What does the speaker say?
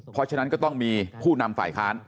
เพราะฉะนั้นก็ต้องมีผู้นำฝ่ายค้าน